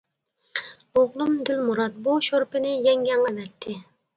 ئوغلۇم دىلمۇرات بۇ شورپىنى يەڭگەڭ ئەۋەتتى.